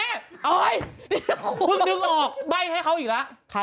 เฮ้ยเพิ่งดึงออกใบ้ให้เขาอีกแล้ว